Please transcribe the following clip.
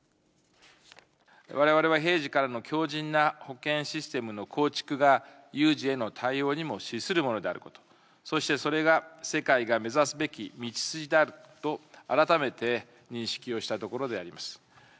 われわれは平時からの強じんな保健システムの構築が、有事への対応にも資するものであること、そしてそれが世界が目指すべき道筋であると、改めて認識をしたところであります。